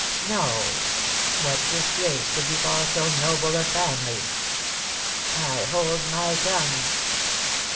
"No: what disgrace could befall so noble a family? I hold my tongue."